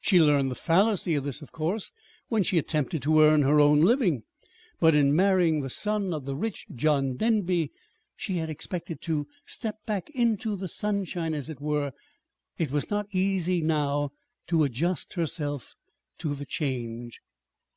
She learned the fallacy of this, of course, when she attempted to earn her own living; but in marrying the son of the rich John Denby, she had expected to step back into the sunshine, as it were. It was not easy now to adjust herself to the change.